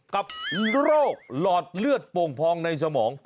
กับโรคหลอดเลือดโป่งพองในสมอง